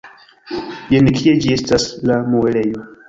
Jen kie ĝi estas, la muelejo!